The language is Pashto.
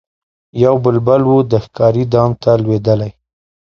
یو بلبل وو د ښکاري دام ته لوېدلی